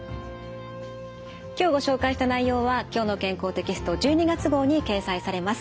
今日ご紹介した内容は「きょうの健康」テキスト１２月号に掲載されます。